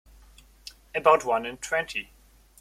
About one in twenty.